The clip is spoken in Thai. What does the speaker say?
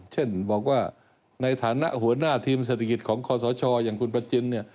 เช่นบอกว่าในฐานะหัวหน้าทีมเศรษฐกิจของคอสชอย่างคุณประจินเนี่ย